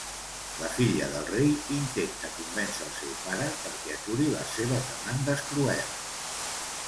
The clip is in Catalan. La filla del rei intenta convèncer el seu pare perquè aturi les seves demandes cruels.